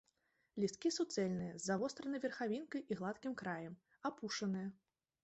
Лісткі суцэльныя, з завостранай верхавінкай і гладкім краем, апушаныя.